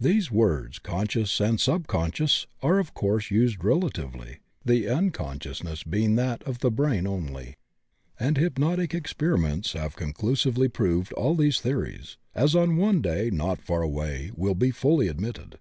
These words "conscious" and "sub conscious" are of course used relatively, the uncon sciousness being that of the brain only. And hypnotic experiments have conclusively proved all these theo ries, as on one day not far away will be fully admitted.